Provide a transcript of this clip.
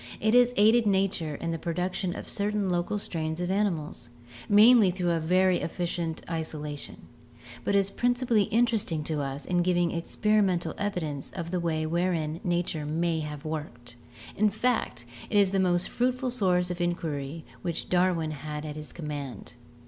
It has aided nature in the 102 ORGANIC EVOLUTION production of certain local strains of animals, mainly through a very efficient isolation, but is principally interesting to us in giving experimental evidence of the way wherein nature may have worked. In fact, it was the most fruitful source of inquiry which Darwin had at his command.